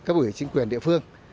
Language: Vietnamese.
cấp ủy chính quyền địa phương